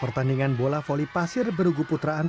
pertandingan bola voli pasir dki jakarta dua melawan tim jawa barat